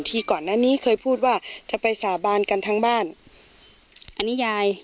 ก่อนนั้นนี้เคยพูดว่าจะไปสาบานกันทั้งบ้านอันนี้ยาย